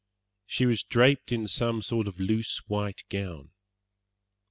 She was draped in some sort of loose, white gown.